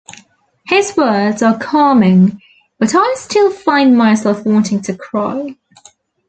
His words are calming, but I still find myself wanting to cry.